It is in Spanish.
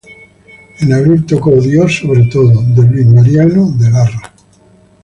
En abril tocó "Dios sobre todo", de Luis Mariano de Larra.